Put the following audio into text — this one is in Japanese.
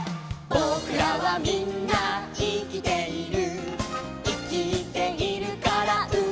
「ぼくらはみんないきている」